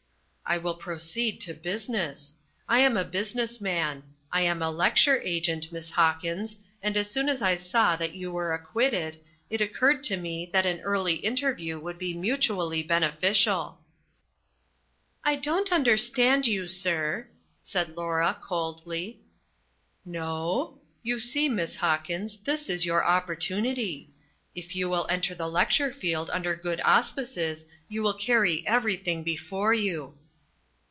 "I will proceed to business. I am a business man. I am a lecture agent, Miss Hawkins, and as soon as I saw that you were acquitted, it occurred to me that an early interview would be mutually beneficial." "I don't understand you, sir," said Laura coldly. "No? You see, Miss Hawkins, this is your opportunity. If you will enter the lecture field under good auspices, you will carry everything before you."